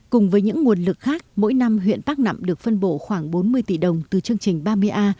cùng với những nguồn lực khác mỗi năm huyện bắc nẵm được phân bổ khoảng bốn mươi tỷ đồng từ chương trình ba mươi a